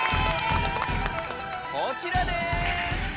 こちらです。